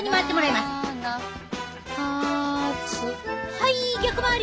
はい逆回り！